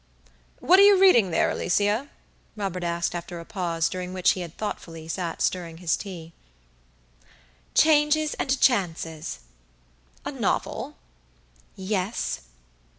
"What are you reading there, Alicia?" Robert asked, after a pause, during which he had sat thoughtfully stirring his tea. "Changes and Chances." "A novel?" "Yes."